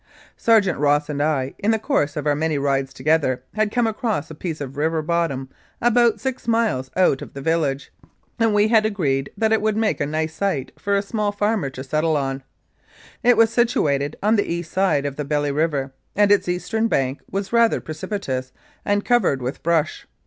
Sergeant Ross and I, hi the course of our many rides together, had come across a piece of river bottom about six miles out of the village, and we had agreed that it would make a nice site for a small farmer to settle on. It was situated on the east side of the Belly River, and its eastern bank was rather precipitous and covered with brush.